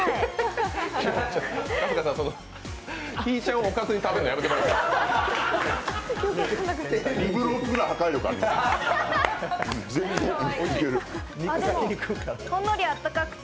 春日さん、ひぃちゃんをおかずに食べるのやめてもらって。